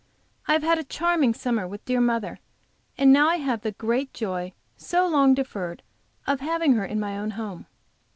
I Have had a charming summer with dear mother; and now I have the great joy, so long deferred, of having her in my own home.